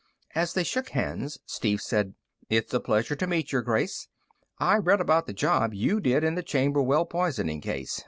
As they shook hands, Steve said: "It's a pleasure to meet Your Grace. I read about the job you did in the Camberwell poisoning case.